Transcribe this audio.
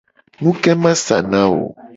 Nuke ma sa na wo ?